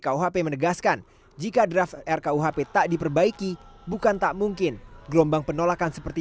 kuhp menegaskan jika draft rkuhp tak diperbaiki bukan tak mungkin gelombang penolakan seperti